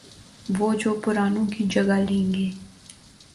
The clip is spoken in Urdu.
وہ جو پرانوں کی جگہ لیں گے۔